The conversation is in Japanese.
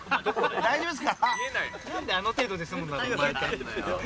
大丈夫ですか？